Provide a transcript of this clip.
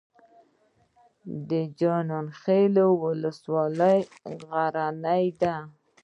د جاني خیل ولسوالۍ غرنۍ ده